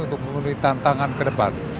untuk memenuhi tantangan ke depan